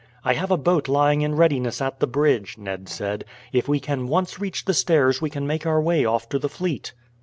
"I have a boat lying in readiness at the bridge," Ned said. "If we can once reach the stairs we can make our way off to the fleet."